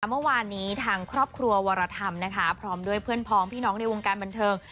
เมื่อวานนี้ทางครอบครัววรธรรมนะคะพร้อมด้วยเพื่อนพร้อมพี่น้องในวงการบันเทิง